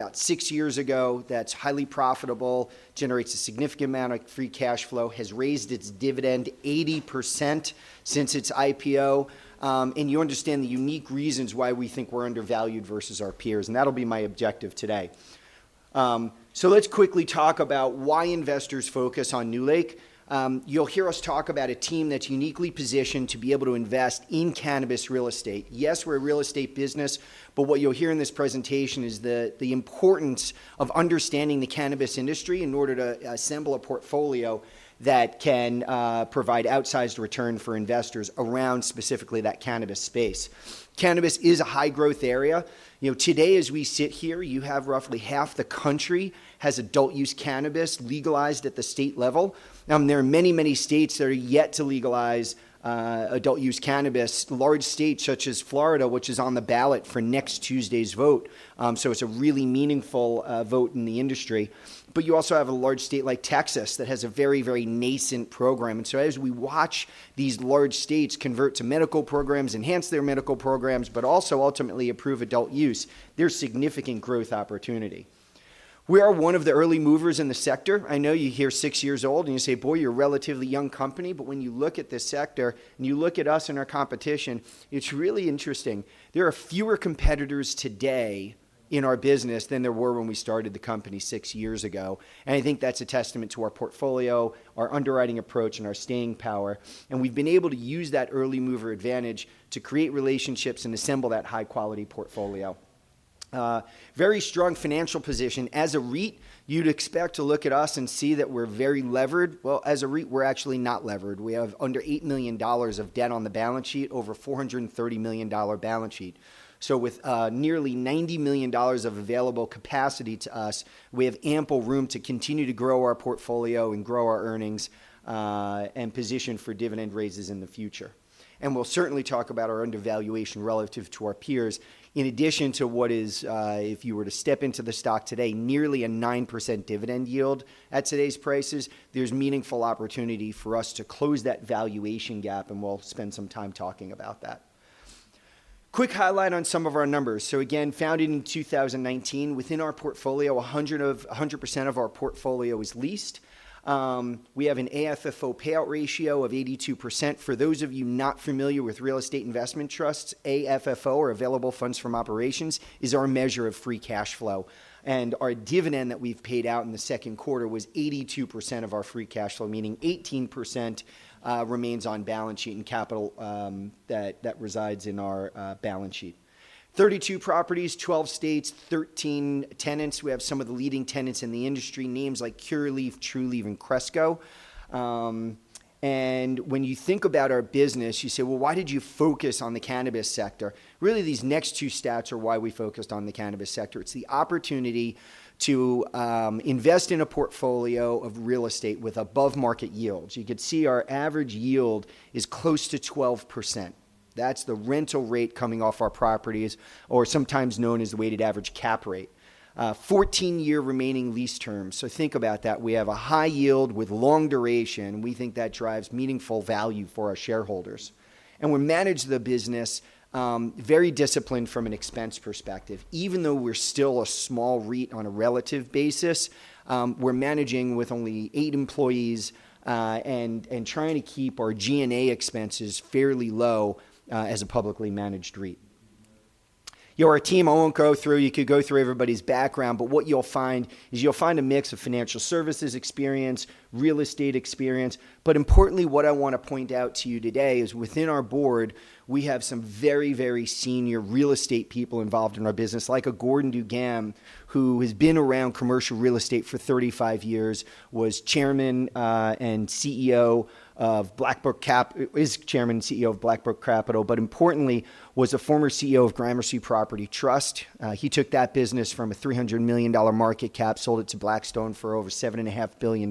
About six years ago, that's highly profitable, generates a significant amount of free cash flow, has raised its dividend 80% since its IPO. And you understand the unique reasons why we think we're undervalued versus our peers, and that'll be my objective today. So let's quickly talk about why investors focus on NewLake. You'll hear us talk about a team that's uniquely positioned to be able to invest in cannabis real estate. Yes, we're a real estate business, but what you'll hear in this presentation is the importance of understanding the cannabis industry in order to assemble a portfolio that can provide outsized return for investors around specifically that cannabis space. Cannabis is a high-growth area. Today, as we sit here, you have roughly half the country has adult-use cannabis legalized at the state level. There are many, many states that are yet to legalize adult-use cannabis, large states such as Florida, which is on the ballot for next Tuesday's vote, so it's a really meaningful vote in the industry. But you also have a large state like Texas that has a very, very nascent program, and so as we watch these large states convert to medical programs, enhance their medical programs, but also ultimately improve adult use, there's significant growth opportunity. We are one of the early movers in the sector. I know you hear six years old and you say, "Boy, you're a relatively young company," but when you look at this sector and you look at us and our competition, it's really interesting. There are fewer competitors today in our business than there were when we started the company six years ago. I think that's a testament to our portfolio, our underwriting approach, and our staying power. We've been able to use that early mover advantage to create relationships and assemble that high-quality portfolio. Very strong financial position. As a REIT, you'd expect to look at us and see that we're very levered. Well, as a REIT, we're actually not levered. We have under $8 million of debt on the balance sheet, over $430 million balance sheet. So with nearly $90 million of available capacity to us, we have ample room to continue to grow our portfolio and grow our earnings and position for dividend raises in the future. We'll certainly talk about our undervaluation relative to our peers. In addition to what is, if you were to step into the stock today, nearly a 9% dividend yield at today's prices, there's meaningful opportunity for us to close that valuation gap, and we'll spend some time talking about that. Quick highlight on some of our numbers. Again, founded in 2019, within our portfolio, 100% of our portfolio is leased. We have an AFFO payout ratio of 82%. For those of you not familiar with real estate investment trusts, AFFO, or Adjusted Funds From Operations, is our measure of free cash flow, and our dividend that we've paid out in the second quarter was 82% of our free cash flow, meaning 18% remains on balance sheet and capital that resides in our balance sheet. 32 properties, 12 states, 13 tenants. We have some of the leading tenants in the industry, names like Curaleaf, Trulieve, and Cresco. When you think about our business, you say, "Well, why did you focus on the cannabis sector?" Really, these next two stats are why we focused on the cannabis sector. It's the opportunity to invest in a portfolio of real estate with above-market yields. You could see our average yield is close to 12%. That's the rental rate coming off our properties, or sometimes known as the weighted average cap rate. 14-year remaining lease terms. Think about that. We have a high yield with long duration. We think that drives meaningful value for our shareholders. We manage the business very disciplined from an expense perspective. Even though we're still a small REIT on a relative basis, we're managing with only eight employees and trying to keep our G&A expenses fairly low as a publicly managed REIT. Our team, I won't go through. You could go through everybody's background, but what you'll find is you'll find a mix of financial services experience, real estate experience. But importantly, what I want to point out to you today is within our board, we have some very, very senior real estate people involved in our business, like a Gordon DuGan who has been around commercial real estate for 35 years, was chairman and CEO of Blackbrook Capital, is chairman and CEO of Blackbrook Capital, but importantly, was a former CEO of Gramercy Property Trust. He took that business from a $300 million market cap, sold it to Blackstone for over $7.5 billion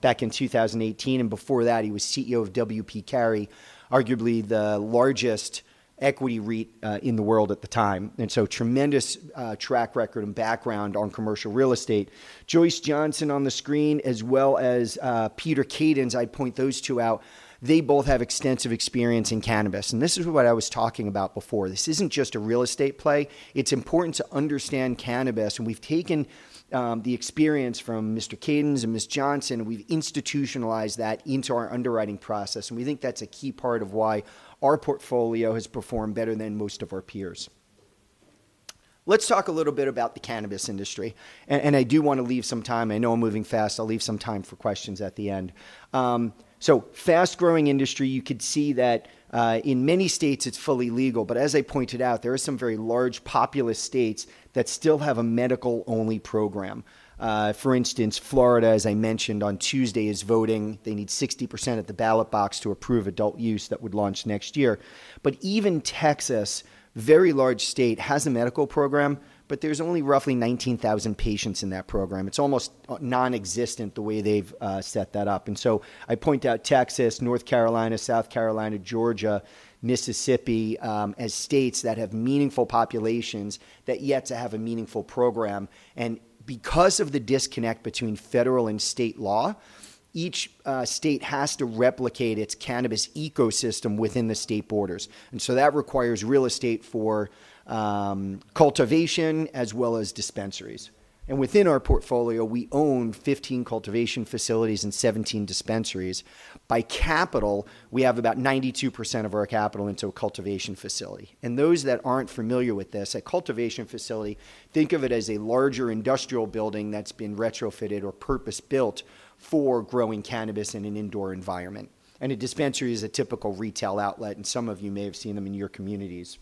back in 2018. And before that, he was CEO of W. P. Carey, arguably the largest equity REIT in the world at the time. And so tremendous track record and background on commercial real estate. Joyce Johnson on the screen, as well as Peter Kadens. I'd point those two out. They both have extensive experience in cannabis. And this is what I was talking about before. This isn't just a real estate play. It's important to understand cannabis. And we've taken the experience from Mr. Kadens and Ms. Johnson. We've institutionalized that into our underwriting process. And we think that's a key part of why our portfolio has performed better than most of our peers. Let's talk a little bit about the cannabis industry. And I do want to leave some time. I know I'm moving fast. I'll leave some time for questions at the end. So fast-growing industry, you could see that in many states, it's fully legal. But as I pointed out, there are some very large populous states that still have a medical-only program. For instance, Florida, as I mentioned on Tuesday, is voting. They need 60% at the ballot box to approve adult use that would launch next year, but even Texas, very large state, has a medical program, but there's only roughly 19,000 patients in that program. It's almost nonexistent the way they've set that up, and so I point out Texas, North Carolina, South Carolina, Georgia, Mississippi as states that have meaningful populations that yet to have a meaningful program, and because of the disconnect between federal and state law, each state has to replicate its cannabis ecosystem within the state borders, and so that requires real estate for cultivation as well as dispensaries, and within our portfolio, we own 15 cultivation facilities and 17 dispensaries. By capital, we have about 92% of our capital into a cultivation facility. Those that aren't familiar with this, a cultivation facility, think of it as a larger industrial building that's been retrofitted or purpose-built for growing cannabis in an indoor environment. A dispensary is a typical retail outlet, and some of you may have seen them in your communities.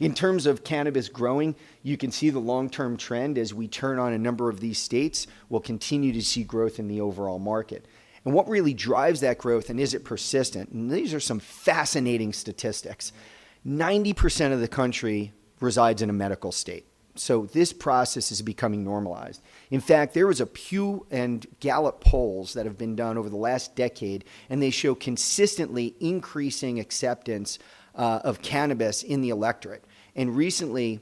In terms of cannabis growing, you can see the long-term trend as we turn on a number of these states. We'll continue to see growth in the overall market. What really drives that growth, and is it persistent? These are some fascinating statistics. 90% of the country resides in a medical state. So this process is becoming normalized. In fact, there was a Pew and Gallup polls that have been done over the last decade, and they show consistently increasing acceptance of cannabis in the electorate. And recently,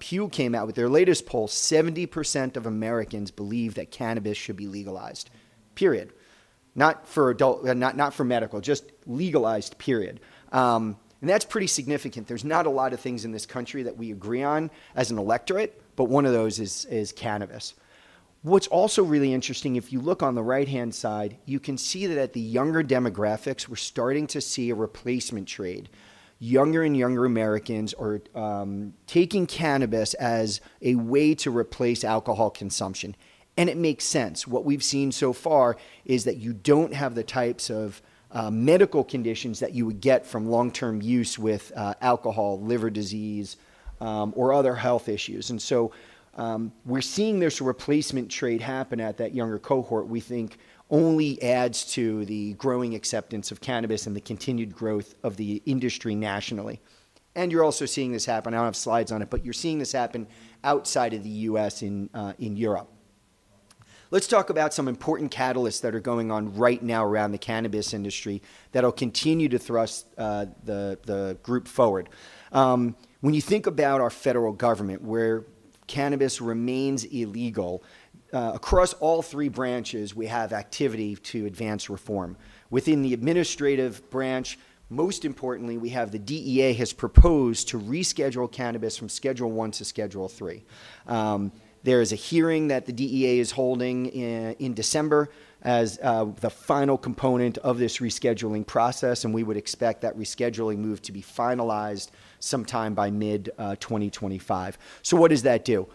Pew came out with their latest poll, 70% of Americans believe that cannabis should be legalized. Period. Not for medical, just legalized. Period. And that's pretty significant. There's not a lot of things in this country that we agree on as an electorate, but one of those is cannabis. What's also really interesting, if you look on the right-hand side, you can see that at the younger demographics, we're starting to see a replacement trade. Younger and younger Americans are taking cannabis as a way to replace alcohol consumption. And it makes sense. What we've seen so far is that you don't have the types of medical conditions that you would get from long-term use with alcohol, liver disease, or other health issues. And so we're seeing this replacement trade happen at that younger cohort, we think, only adds to the growing acceptance of cannabis and the continued growth of the industry nationally. And you're also seeing this happen. I don't have slides on it, but you're seeing this happen outside of the U.S. and in Europe. Let's talk about some important catalysts that are going on right now around the cannabis industry that'll continue to thrust the group forward. When you think about our federal government, where cannabis remains illegal, across all three branches, we have activity to advance reform. Within the executive branch, most importantly, the DEA has proposed to reschedule cannabis from Schedule I to Schedule III. There is a hearing that the DEA is holding in December as the final component of this rescheduling process, and we would expect that rescheduling move to be finalized sometime by mid-2025. So what does that do?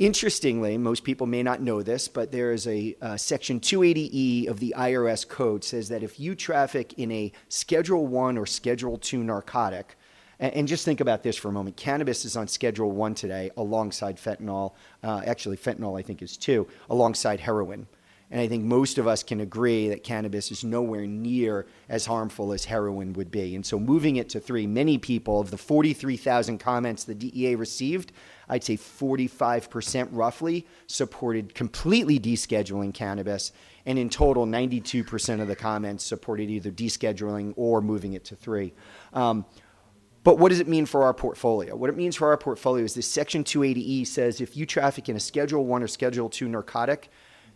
Interestingly, most people may not know this, but there is a Section 280E of the IRS code that says that if you traffic in a Schedule I or Schedule II narcotic, and just think about this for a moment, cannabis is on Schedule I today alongside fentanyl. Actually, fentanyl, I think, is II alongside heroin. And I think most of us can agree that cannabis is nowhere near as harmful as heroin would be. And so moving it to III, many people of the 43,000 comments the DEA received, I'd say 45% roughly supported completely descheduling cannabis. And in total, 92% of the comments supported either descheduling or moving it to III. But what does it mean for our portfolio? What it means for our portfolio is this Section 280E says if you traffic in a Schedule I or Schedule II narcotic,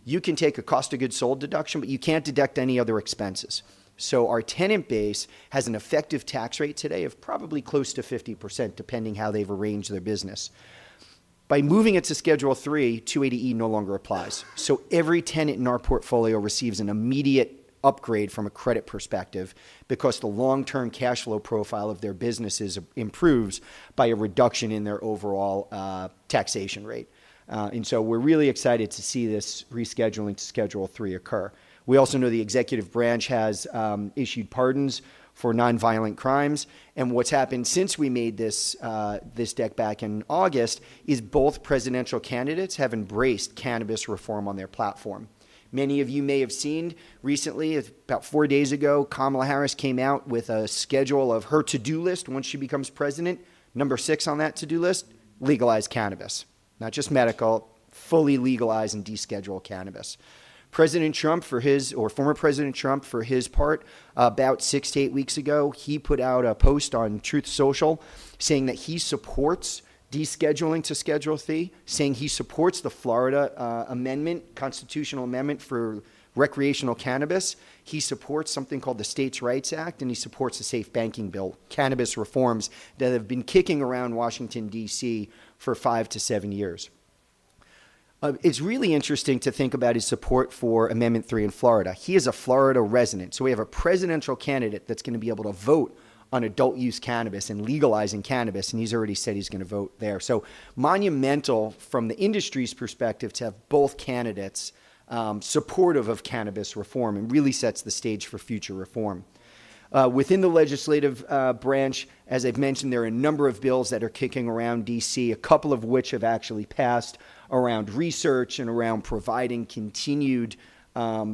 you can take a cost of goods sold deduction, but you can't deduct any other expenses. So our tenant base has an effective tax rate today of probably close to 50%, depending how they've arranged their business. By moving it to Schedule III, 280E no longer applies. So every tenant in our portfolio receives an immediate upgrade from a credit perspective because the long-term cash flow profile of their businesses improves by a reduction in their overall taxation rate. And so we're really excited to see this rescheduling to Schedule III occur. We also know the executive branch has issued pardons for nonviolent crimes. And what's happened since we made this deck back in August is both presidential candidates have embraced cannabis reform on their platform. Many of you may have seen recently, about four days ago, Kamala Harris came out with a schedule of her to-do list once she becomes president. Number six on that to-do list, legalize cannabis. Not just medical, fully legalize and deschedule cannabis. President Trump, for his, or former President Trump, for his part, about six to eight weeks ago, he put out a post on Truth Social saying that he supports descheduling to Schedule III, saying he supports the Florida amendment, constitutional amendment for recreational cannabis. He supports something called the States' Rights Act, and he supports the SAFE Banking Bill, cannabis reforms that have been kicking around Washington, D.C., for five to seven years. It's really interesting to think about his support for Amendment 3 in Florida. He is a Florida resident. So we have a presidential candidate that's going to be able to vote on adult-use cannabis and legalizing cannabis. And he's already said he's going to vote there. So monumental from the industry's perspective to have both candidates supportive of cannabis reform and really sets the stage for future reform. Within the legislative branch, as I've mentioned, there are a number of bills that are kicking around DC, a couple of which have actually passed around research and around providing continued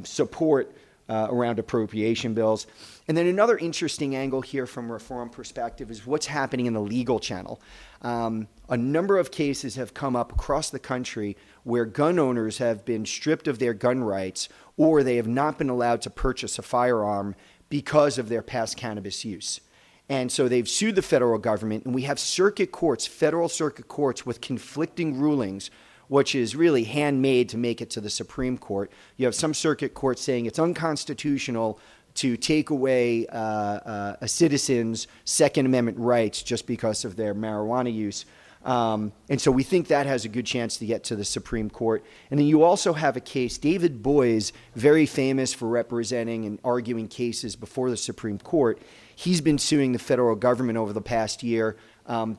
support around appropriation bills. And then another interesting angle here from a reform perspective is what's happening in the legal channel. A number of cases have come up across the country where gun owners have been stripped of their gun rights or they have not been allowed to purchase a firearm because of their past cannabis use. And so they've sued the federal government, and we have circuit courts, federal circuit courts with conflicting rulings, which is really primed to make it to the Supreme Court. You have some circuit courts saying it's unconstitutional to take away a citizen's Second Amendment rights just because of their marijuana use. And so we think that has a good chance to get to the Supreme Court. And then you also have a case, David Boies, very famous for representing and arguing cases before the Supreme Court. He's been suing the federal government over the past year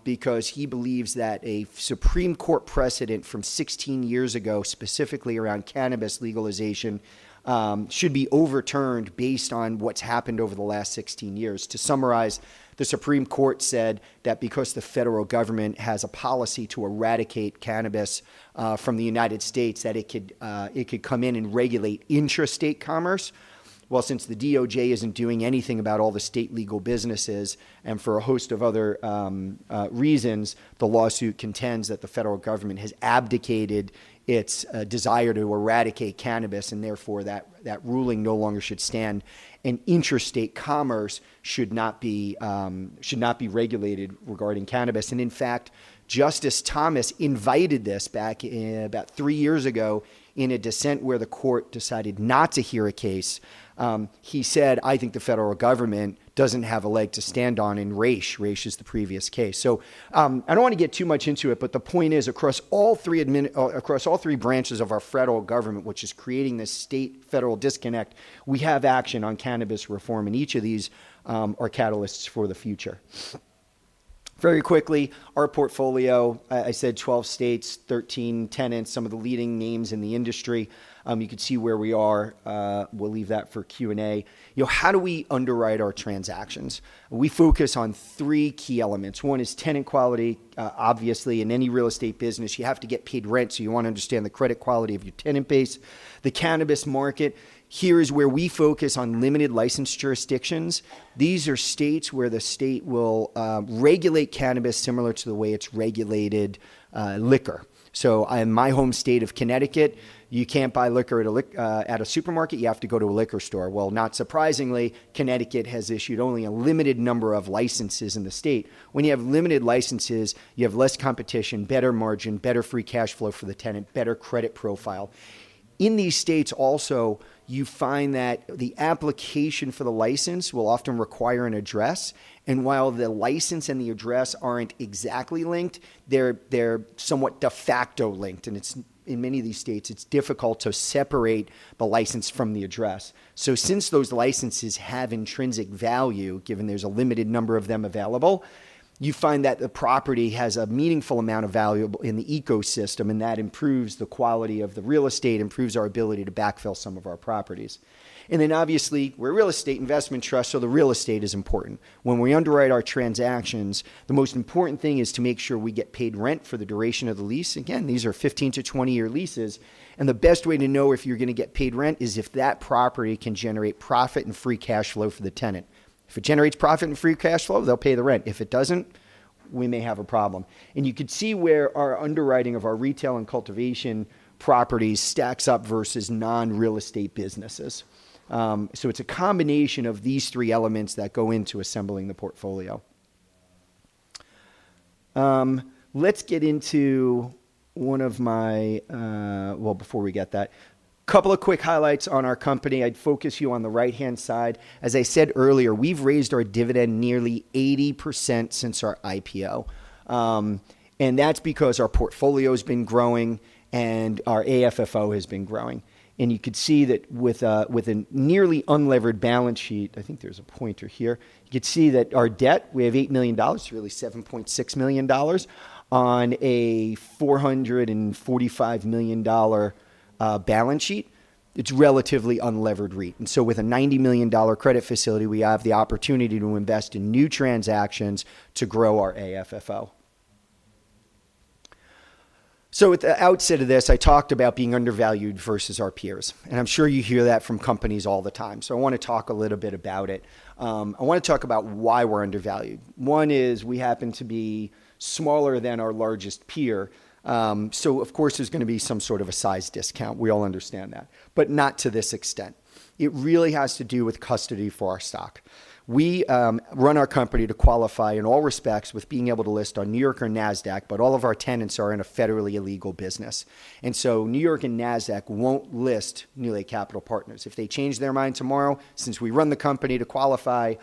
because he believes that a Supreme Court precedent from 16 years ago, specifically around cannabis legalization, should be overturned based on what's happened over the last 16 years. To summarize, the Supreme Court said that because the federal government has a policy to eradicate cannabis from the United States, that it could come in and regulate interstate commerce. Since the DOJ isn't doing anything about all the state legal businesses and for a host of other reasons, the lawsuit contends that the federal government has abdicated its desire to eradicate cannabis and therefore that ruling no longer should stand. Interstate commerce should not be regulated regarding cannabis. In fact, Justice Thomas invited this back about three years ago in a dissent where the court decided not to hear a case. He said, "I think the federal government doesn't have a leg to stand on in Raich." Raich is the previous case. So I don't want to get too much into it, but the point is across all three branches of our federal government, which is creating this state-federal disconnect, we have action on cannabis reform, and each of these are catalysts for the future. Very quickly, our portfolio, I said 12 states, 13 tenants, some of the leading names in the industry. You could see where we are. We'll leave that for Q&A. How do we underwrite our transactions? We focus on three key elements. One is tenant quality. Obviously, in any real estate business, you have to get paid rent, so you want to understand the credit quality of your tenant base. The cannabis market, here is where we focus on limited license jurisdictions. These are states where the state will regulate cannabis similar to the way it's regulated liquor. In my home state of Connecticut, you can't buy liquor at a supermarket. You have to go to a liquor store. Not surprisingly, Connecticut has issued only a limited number of licenses in the state. When you have limited licenses, you have less competition, better margin, better free cash flow for the tenant, better credit profile. In these states also, you find that the application for the license will often require an address. While the license and the address aren't exactly linked, they're somewhat de facto linked. In many of these states, it's difficult to separate the license from the address. Since those licenses have intrinsic value, given there's a limited number of them available, you find that the property has a meaningful amount of value in the ecosystem, and that improves the quality of the real estate, improves our ability to backfill some of our properties. Obviously, we're a real estate investment trust, so the real estate is important. When we underwrite our transactions, the most important thing is to make sure we get paid rent for the duration of the lease. Again, these are 15-20-year leases. The best way to know if you're going to get paid rent is if that property can generate profit and free cash flow for the tenant. If it generates profit and free cash flow, they'll pay the rent. If it doesn't, we may have a problem. You could see where our underwriting of our retail and cultivation properties stacks up versus non-real estate businesses. It's a combination of these three elements that go into assembling the portfolio. Let's get into one of my, well, before we get that, a couple of quick highlights on our company. I'd focus you on the right-hand side. As I said earlier, we've raised our dividend nearly 80% since our IPO. That's because our portfolio has been growing and our AFFO has been growing. You could see that with a nearly unlevered balance sheet, I think there's a pointer here, you could see that our debt, we have $8 million, really $7.6 million on a $445 million balance sheet. It's relatively unlevered REIT. With a $90 million credit facility, we have the opportunity to invest in new transactions to grow our AFFO. At the outset of this, I talked about being undervalued versus our peers. And I'm sure you hear that from companies all the time. So I want to talk a little bit about it. I want to talk about why we're undervalued. One is we happen to be smaller than our largest peer. So of course, there's going to be some sort of a size discount. We all understand that. But not to this extent. It really has to do with custody for our stock. We run our company to qualify in all respects with being able to list on the NYSE or Nasdaq, but all of our tenants are in a federally illegal business. And so the NYSE and Nasdaq won't list NewLake Capital Partners. If they change their mind tomorrow, since we run the company to qualify,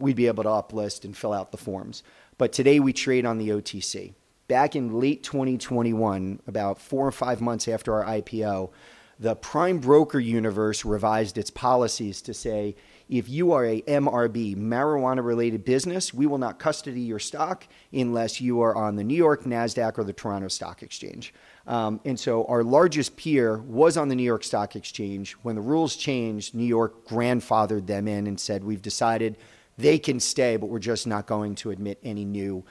we'd be able to uplist and fill out the forms. But today, we trade on the OTC. Back in late 2021, about four or five months after our IPO, the prime broker universe revised its policies to say, "If you are an MRB, marijuana-related business, we will not custody your stock unless you are on the New York, Nasdaq, or the Toronto Stock Exchange." And so our largest peer was on the New York Stock Exchange. When the rules changed, New York grandfathered them in and said, "We've decided they can stay, but we're just not going to admit any new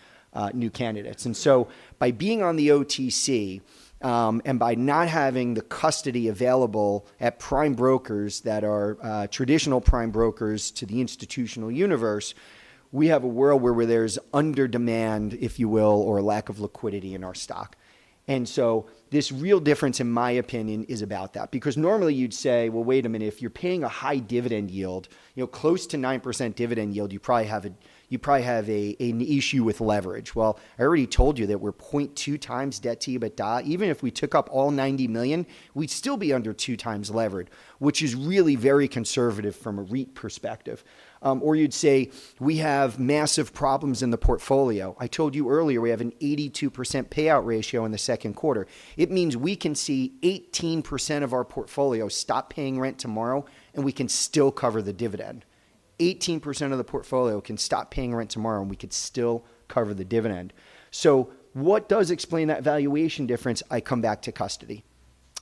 candidates." And so by being on the OTC and by not having the custody available at prime brokers, that are traditional prime brokers to the institutional universe, we have a world where there's under-demand, if you will, or lack of liquidity in our stock. And so this real difference, in my opinion, is about that. Because normally you'd say, "Well, wait a minute. If you're paying a high dividend yield, close to 9% dividend yield, you probably have an issue with leverage." Well, I already told you that we're 0.2 times debt to EBITDA, but even if we took up all $90 million, we'd still be under 2x levered, which is really very conservative from a REIT perspective. Or you'd say, "We have massive problems in the portfolio." I told you earlier we have an 82% payout ratio in the second quarter. It means we can see 18% of our portfolio stop paying rent tomorrow, and we can still cover the dividend. 18% of the portfolio can stop paying rent tomorrow, and we could still cover the dividend. So what does explain that valuation difference? I come back to cannabis.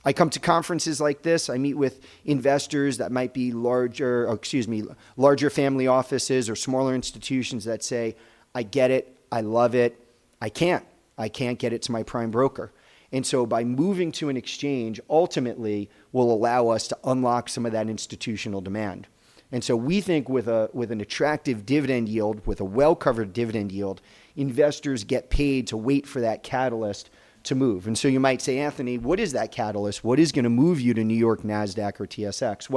I come to conferences like this. I meet with investors that might be larger, excuse me, larger family offices or smaller institutions that say, "I get it. I love it. I can't. I can't get it to my prime broker." And so by moving to an exchange, ultimately, will allow us to unlock some of that institutional demand. And so we think with an attractive dividend yield, with a well-covered dividend yield, investors get paid to wait for that catalyst to move. And so you might say, "Anthony, what is that catalyst? What is going to move you to New York, Nasdaq, or TSX?"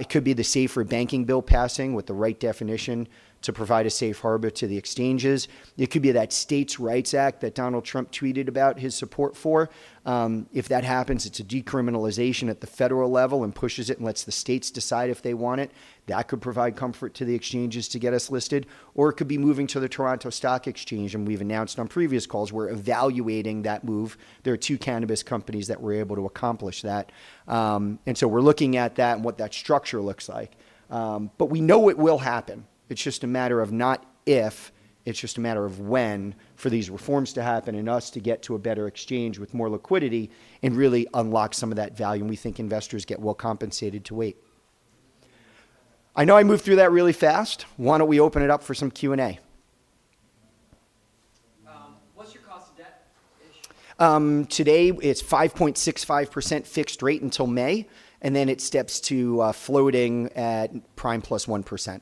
It could be the SAFE Banking Act passing with the right definition to provide a safe harbor to the exchanges. It could be that STATES Act that Donald Trump tweeted about his support for. If that happens, it's a decriminalization at the federal level and pushes it and lets the states decide if they want it. That could provide comfort to the exchanges to get us listed, or it could be moving to the Toronto Stock Exchange, and we've announced on previous calls we're evaluating that move. There are two cannabis companies that were able to accomplish that, and so we're looking at that and what that structure looks like, but we know it will happen. It's just a matter of not if. It's just a matter of when for these reforms to happen and us to get to a better exchange with more liquidity and really unlock some of that value, and we think investors get well compensated to wait. I know I moved through that really fast. Why don't we open it up for some Q&A? Today, it's 5.65% fixed rate until May, and then it steps to floating at prime plus 1%.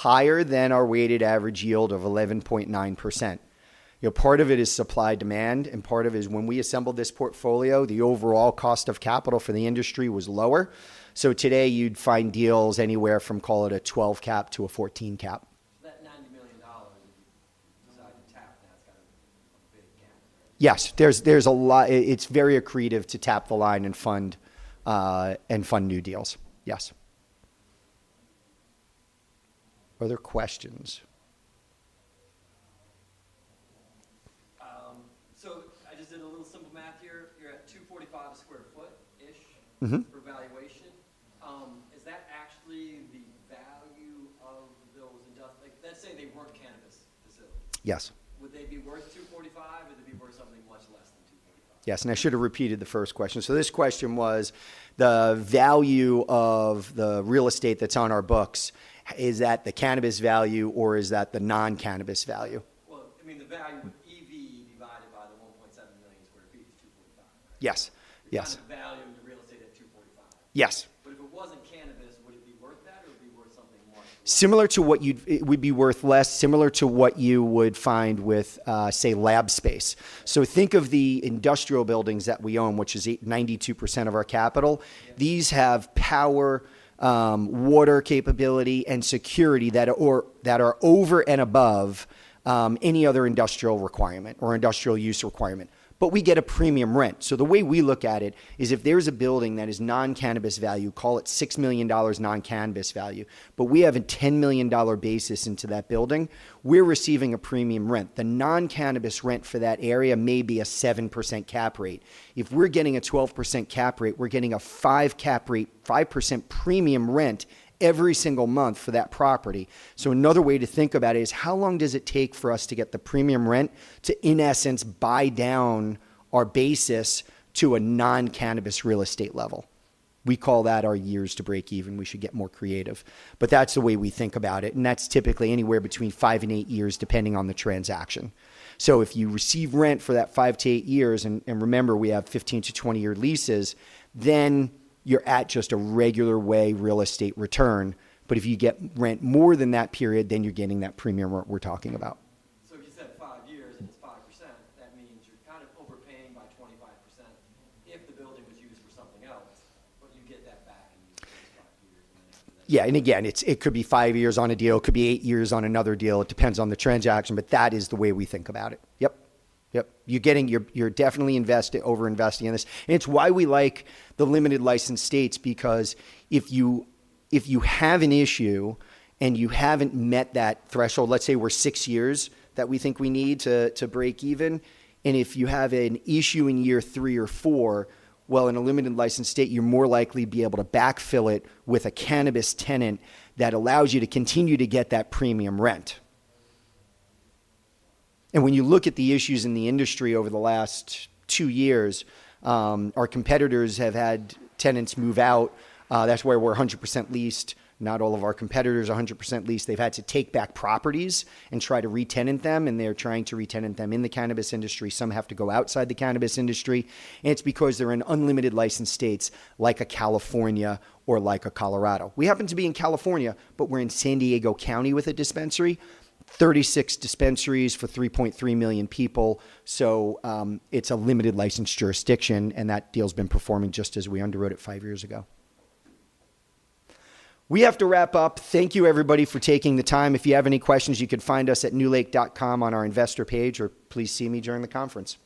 Prime plus 1 and then what type of cap rates are you seeing on deals in the market today if you wanted to do another investment? Higher than our weighted average yield of 11.9%. Part of it is supply-demand, and part of it is when we assembled this portfolio, the overall cost of capital for the industry was lower. So today, you'd find deals anywhere from, call it a 12 cap to a 14 cap. That $90 million, you decide to tap now, it's got a big gap, right? Yes. It's very accretive to tap the line and fund new deals. Yes. Are there questions? I just did a little simple math here. You're at 245 sq ft-ish for valuation. Is that actually the value of those, let's say they weren't cannabis facilities. Yes. Would they be worth 245, or would they be worth something much less than 245? Yes. And I should have repeated the first question. So this question was, "The value of the real estate that's on our books, is that the cannabis value, or is that the non-cannabis value? Well, I mean, the value would EV divided by the 1.7 million sq ft is 245, right? Yes. Yes. So the value of the real estate at 245. Yes. But if it wasn't cannabis, would it be worth that, or would it be worth something more? Similar to what you'd—it would be worth less, similar to what you would find with, say, lab space. So think of the industrial buildings that we own, which is 92% of our capital. These have power, water capability, and security that are over and above any other industrial requirement or industrial use requirement. But we get a premium rent. So the way we look at it is if there's a building that is non-cannabis value, call it $6 million non-cannabis value, but we have a $10 million basis into that building, we're receiving a premium rent. The non-cannabis rent for that area may be a 7% cap rate. If we're getting a 12% cap rate, we're getting a 5% cap rate, 5% premium rent every single month for that property. Another way to think about it is, how long does it take for us to get the premium rent to, in essence, buy down our basis to a non-cannabis real estate level? We call that our years to break even. We should get more creative. But that's the way we think about it. And that's typically anywhere between five and eight years, depending on the transaction. So if you receive rent for that five to eight years, and remember, we have 15-20-year leases, then you're at just a regular way real estate return. But if you get rent more than that period, then you're getting that premium rent we're talking about. So if you said five years and it's 5%, that means you're kind of overpaying by 25% if the building was used for something else, but you get that back and you get five years and then after that. Yeah. And again, it could be five years on a deal. It could be eight years on another deal. It depends on the transaction, but that is the way we think about it. Yep. Yep. You're definitely overinvesting in this. And it's why we like the limited license states, because if you have an issue and you haven't met that threshold - let's say we're six years that we think we need to break even - and if you have an issue in year three or four, well, in a limited license state, you're more likely to be able to backfill it with a cannabis tenant that allows you to continue to get that premium rent. And when you look at the issues in the industry over the last two years, our competitors have had tenants move out. That's why we're 100% leased. Not all of our competitors are 100% leased. They've had to take back properties and try to re-tenant them, and they're trying to re-tenant them in the cannabis industry. Some have to go outside the cannabis industry. And it's because they're in unlimited license states like a California or like a Colorado. We happen to be in California, but we're in San Diego County with a dispensary, 36 dispensaries for 3.3 million people. So it's a limited license jurisdiction, and that deal's been performing just as we underwrote it five years ago. We have to wrap up. Thank you, everybody, for taking the time. If you have any questions, you can find us at newlake.com on our investor page, or please see me during the conference.